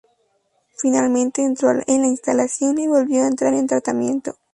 Finalmente entró en la instalación y volvió a entrar en tratamiento.